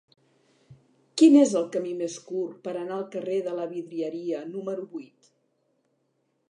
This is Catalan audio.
Quin és el camí més curt per anar al carrer de la Vidrieria número vuit?